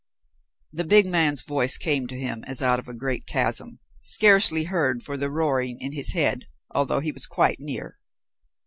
The big man's voice came to him as out of a great chasm, scarcely heard for the roaring in his head, although he was quite near.